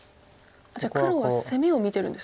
じゃあ黒は攻めを見てるんですか。